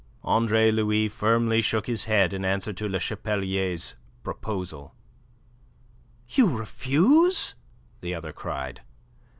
Andre Louis firmly shook his head in answer to Le Chapelier's proposal. "You refuse?" the other cried.